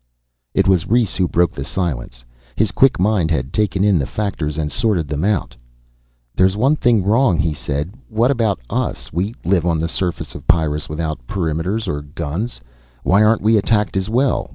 It was Rhes who broke the silence. His quick mind had taken in the factors and sorted them out. "There's one thing wrong," he said. "What about us? We live on the surface of Pyrrus without perimeters or guns. Why aren't we attacked as well?